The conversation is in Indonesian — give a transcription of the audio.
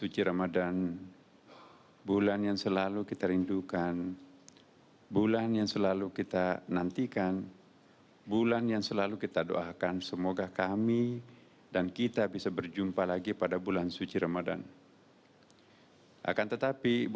cnn indonesia breaking news